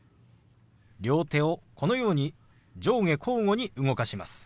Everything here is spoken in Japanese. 両手をこのように上下交互に動かします。